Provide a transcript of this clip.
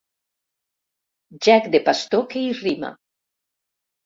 Gec de pastor que hi rima.